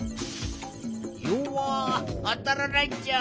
よわっあたらないっちゃ。